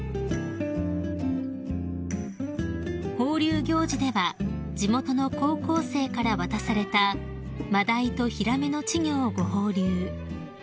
［放流行事では地元の高校生から渡されたマダイとヒラメの稚魚をご放流］